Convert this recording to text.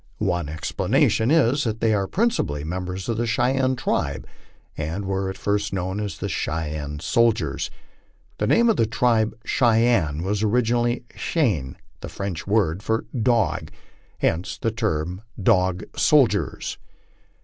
One explanation is, that they are principally members of the Cheyenne tribe, and were at first known as the Cheyenne soldiers. The name of the tribe 44 Cheyenne" was originally Chien, the French word for dog; hence the term Dog Soldiers."